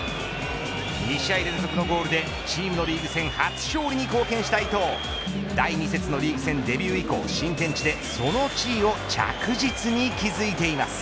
２試合連続のゴールでチームのリーグ戦初勝利に貢献した伊東第２節のリーグ戦デビュー以降、新天地でその地位を着実に築いています。